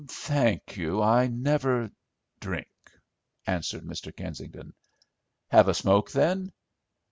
"Thank you, I never drink," answered Mr. Kensington. "Have a smoke, then?"